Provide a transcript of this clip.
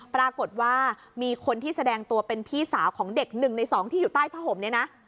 ปรากฏว่ามีคนที่แสดงตัวเป็นพี่สาวของเด็ก๑ใน๒ที่อยู่ใต้ผ้าห่มเนี่ยนะ